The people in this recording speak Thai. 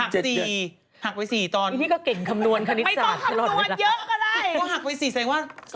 หากจริง